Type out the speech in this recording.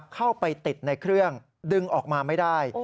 เข้าไปติดในเครื่องดึงออกมาไม่ได้